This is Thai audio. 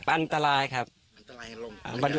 มันอันตรายครับ